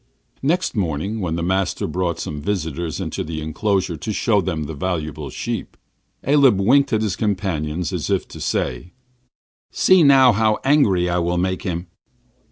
Next morning, when the master brought some visitors into the inclosure to show them the valuable sheep, Aleb winked at his companions, as if to say: 'See, now, how angry I will make him.'